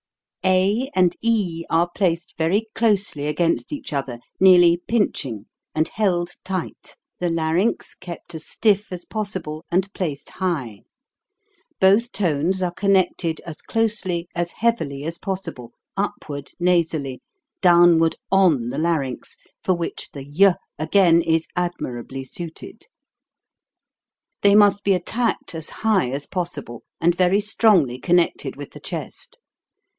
a and e are placed very closely against each other, nearly pinching, and held tight; the larynx kept as stiff as possible and placed high. Both tones are connected as closely, as heavily as possible, upward nasally, downward on the larynx, for which the y, again, is admirably suited. They must be attacked as high as possible, and very strongly 258 TRILL 259 connected with the chest.